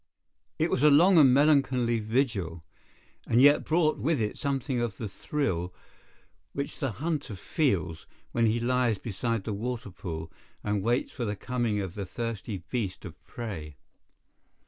It was a long and melancholy vigil, and yet brought with it something of the thrill which the hunter feels when he lies beside the water pool, and waits for the coming of the thirsty beast of prey.